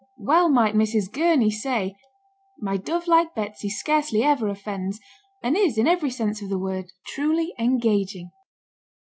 Well might Mrs. Gurney say, "My dove like Betsy scarcely ever offends, and is, in every sense of the word, truly engaging."